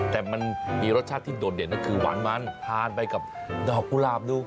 แต่มันมีรสชาติที่โดดเด่นก็คือหวานมันทานไปกับดอกกุหลาบดู